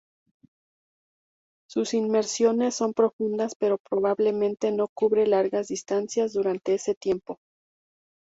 Sus inmersiones son profundas, pero probablemente no cubre largas distancias durante ese tiempo.